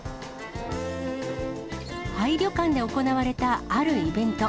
廃旅館で行われたあるイベント。